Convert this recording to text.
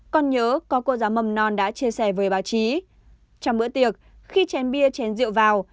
còn nhớ có cô giáo mầm non đã chia sẻ với báo chí trong bữa tiệc khi chèn bia chém rượu vào